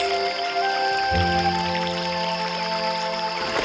mari kita bawa kembali ke istana untuk saat ini